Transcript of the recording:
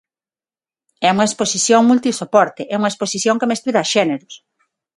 É unha exposición multisoporte... É unha exposición que mestura xéneros.